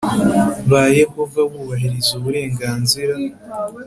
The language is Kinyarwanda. ba Yehova bubahiriza uburenganzira